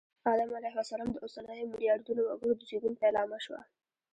آدم علیه السلام د اوسنیو ملیاردونو وګړو د زېږون پیلامه شوه